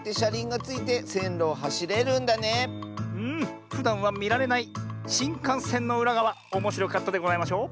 うん。ふだんはみられないしんかんせんのうらがわおもしろかったでございましょ。